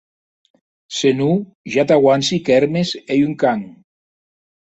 Se non, ja t'auanci que Hermes ei un can.